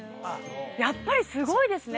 やっぱりすごいですね。